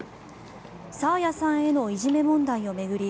爽彩さんへのいじめ問題を巡り